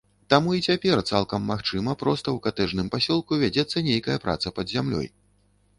Таму і цяпер цалкам магчыма проста ў катэджным пасёлку вядзецца нейкая праца пад зямлёй.